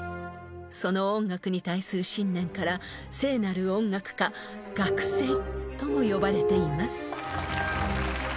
［その音楽に対する信念から聖なる音楽家楽聖とも呼ばれています］